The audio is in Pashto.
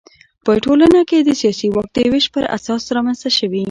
په ټولنه کې د سیاسي واک د وېش پر اساس رامنځته شوي.